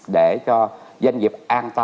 để cho doanh nghiệp an toàn